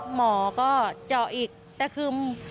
หมอก็เจาะอีกแต่คือ